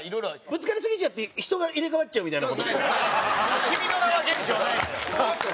ぶつかりすぎちゃって人が入れ替わっちゃうみたいな。